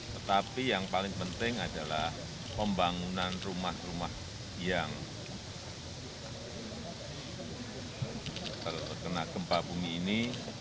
tetapi yang paling penting adalah pembangunan rumah rumah yang terkena gempa bumi ini